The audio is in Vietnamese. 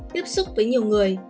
tiếp xúc với nhiều người